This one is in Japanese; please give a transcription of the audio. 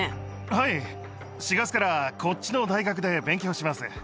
はい、４月からこっちの大学で勉強します。